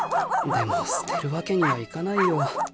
でも捨てるわけにはいかないよ。